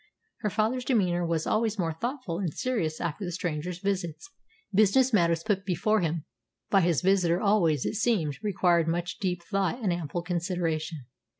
Her father's demeanour was always more thoughtful and serious after the stranger's visits. Business matters put before him by his visitor always, it seemed, required much deep thought and ample consideration.